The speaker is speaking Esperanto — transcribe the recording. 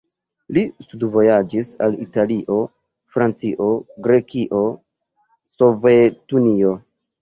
Li studvojaĝis al Italio, Francio, Grekio, Sovetunio.